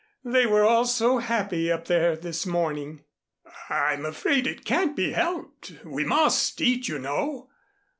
They were all so happy up there this morning." "I'm afraid it can't be helped. We must eat, you know.